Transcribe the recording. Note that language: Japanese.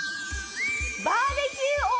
バーベキュー王！？